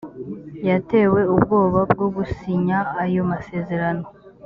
yatewe ubwoba bwo gusinya ayo masezerano